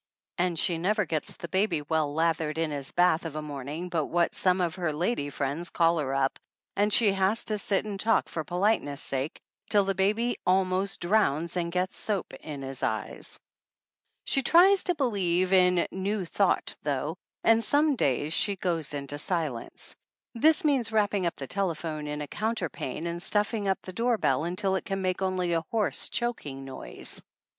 And she never gets the baby well lathered in his bath of a morning but what some of her lady friends call her up and she has to sit and talk for polite ness' sake till the baby almost drowns and gets soap in his eyes. She tries to believe in New Thought though, and some days she "goes into the silence." This means wrapping the telephone up in a counter pane and stuffing up the door bell until it can make only a hoarse, choking noise.